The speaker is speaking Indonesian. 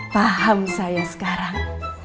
paham saya sekarang